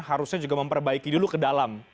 harusnya juga memperbaiki dulu ke dalam